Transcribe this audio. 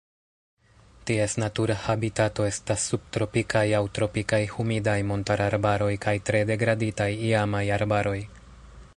Ties natura habitato estas subtropikaj aŭ tropikaj humidaj montararbaroj kaj tre degraditaj iamaj arbaroj.